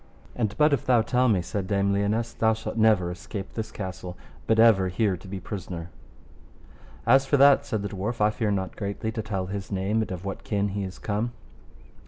And but if thou tell me, said Dame Lionesse, thou shalt never escape this castle, but ever here to be prisoner. As for that, said the dwarf, I fear not greatly to tell his name and of what kin he is come.